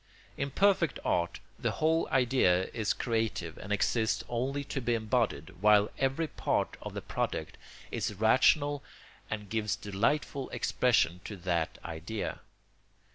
In perfect art the whole idea is creative and exists only to be embodied, while every part of the product is rational and gives delightful expression to that idea.